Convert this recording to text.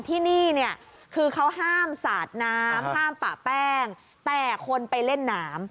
ที่นี่เนี่ยคือเขาห้ามสาดน้ำห้ามปะแป้งแต่คนไปเล่นน้ำ